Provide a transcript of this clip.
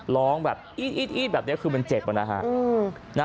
ร้องแบบอี๊ดคือเจ็บต่อนะคะ